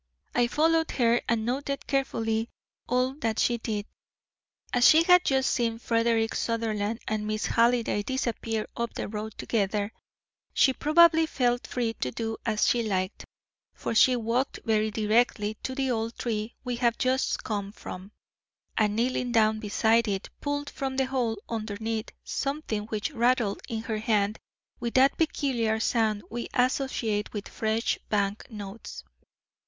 I followed her and noted carefully all that she did. As she had just seen Frederick Sutherland and Miss Halliday disappear up the road together, she probably felt free to do as she liked, for she walked very directly to the old tree we have just come from, and kneeling down beside it pulled from the hole underneath something which rattled in her hand with that peculiar sound we associate with fresh bank notes.